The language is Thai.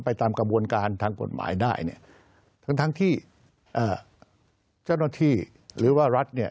ตามกระบวนการทางกฎหมายได้เนี่ยทั้งทั้งที่เจ้าหน้าที่หรือว่ารัฐเนี่ย